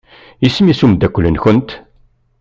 Isem-is umeddakel-nkent?